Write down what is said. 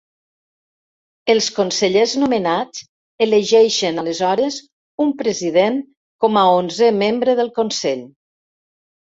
Els consellers nomenats elegeixen aleshores un president com a onzè membre del Consell.